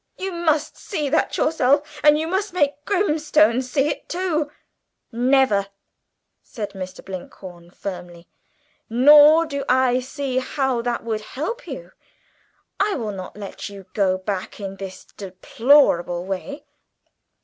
You must see that yourself, and you must make Grimstone see it too!" "Never!" said Mr. Blinkhorn firmly. "Nor do I see how that would help you. I will not let you go back in this deplorable way.